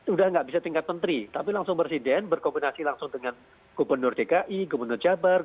udah nggak bisa tingkat menteri tapi langsung presiden berkoordinasi langsung dengan gubernur dki gubernur jabar